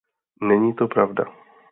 Není to pravda.